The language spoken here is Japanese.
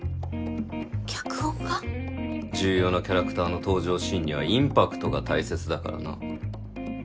重要なキャラクターの登場シーンにはインパクトが大切だからな。